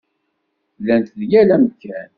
Llant deg yal amkan.